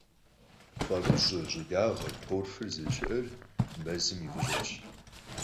ФӀамыщӀыр, щӀыдагъэр, торфыр зэрыщыӀэр мэзым и фӀыщӀэщ.